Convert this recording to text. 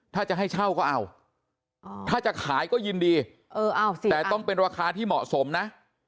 ถ้าจะให้เช่าก็เอาถ้าจะขายก็ยินดีเออเอาสิแต่ต้องเป็นราคาที่เหมาะสมนะ